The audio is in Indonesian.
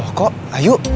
loh kok ayu